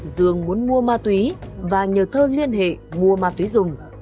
dương muốn mua ma túy và nhờ thơ liên hệ mua ma túy dùng